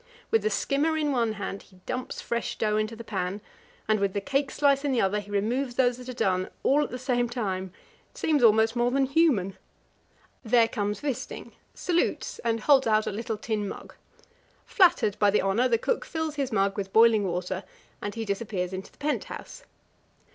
With the skimmer in one hand he dumps fresh dough into the pan, and with the cake slice in the other he removes those that are done, all at the same time; it seems almost more than human! There comes Wisting, salutes, and holds out a little tin mug. Flattered by the honour, the cook fills his mug with boiling water, and he disappears into the pent house.